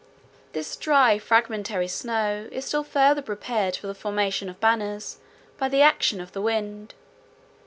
This dry fragmentary snow is still further prepared for the formation of banners by the action of the wind.